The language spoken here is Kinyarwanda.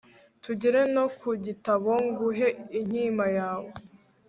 tugere no ku gitabo nguhe inkima yawe